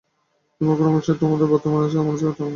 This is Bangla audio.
তোমার খুড়োমশায় যখন বর্তমান আছেন তাঁর অমতে তো কিছু হতে পারে না।